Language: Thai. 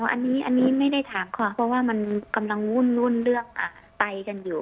อันนี้ไม่ได้ถามค่ะเพราะว่ามันกำลังวุ่นเรื่องไตกันอยู่